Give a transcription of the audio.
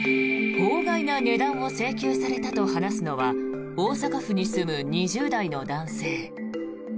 法外な値段を請求されたと話すのは大阪府に住む２０代の男性。